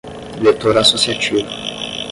vetor associativo